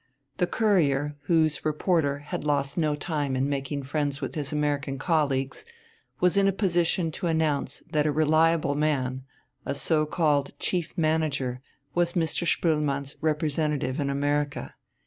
The Courier, whose reporter had lost no time in making friends with his American colleagues, was in a position to announce that a reliable man, a so called chief manager, was Mr. Spoelmann's representative in America.